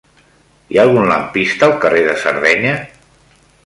Hi ha algun lampista al carrer de Sardenya?